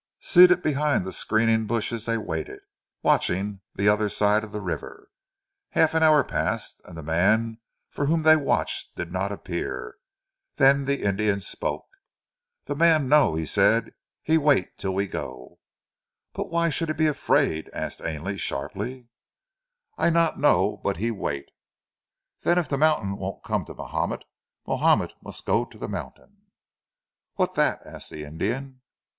Seated behind the screening bushes they waited, watching the other side of the river. Half an hour passed and the man for whom they watched did not appear. Then the Indian spoke. "The man know," he said. "He wait till we go." "But why should he be afraid?" asked Ainley sharply. "I not know! But he wait." "Then if the mountain won't come to Mahomet, Mahomet must go to the mountain." "What that?" asked the Indian.